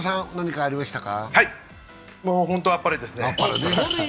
本当にあっぱれですね。